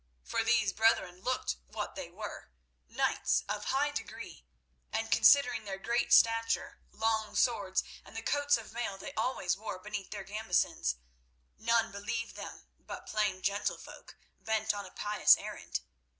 For these brethren looked what they were, knights of high degree; and considering their great stature, long swords, and the coats of mail they always wore beneath their gambesons, none believed them but plain gentlefolk bent on a pious errand.